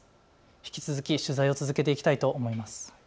引き続き取材を続けていきたいと思います。